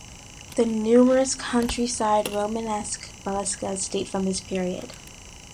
The numerous countryside Romanesque basilicas date from this period.